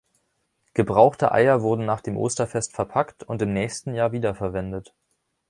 Gebrauchte Eier wurden nach dem Osterfest verpackt und im nächsten Jahr wiederverwendet.